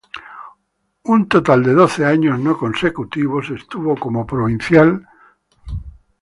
Un total de doce años no consecutivos estuvo como Provincial de los Carmelitas Descalzos.